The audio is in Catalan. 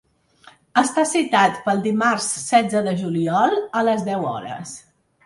Està citat pel dimarts setze de juliol a les deu hores.